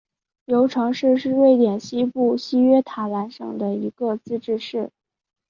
尤城市是瑞典西部西约塔兰省的一个自治市。